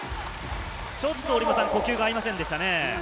ちょっと呼吸が合いませんでしたね。